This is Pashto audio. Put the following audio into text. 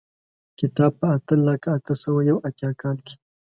کتاب په اته لکه اته سوه یو اتیا کال کې.